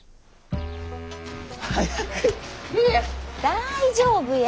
大丈夫や。